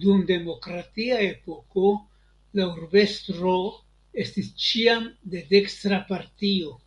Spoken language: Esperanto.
Dum demokratia epoko la urbestro estis ĉiam de dekstra partio.